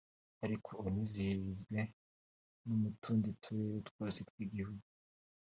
ariko unizihirizwe no mu tundi Turere twose tw’Igihugu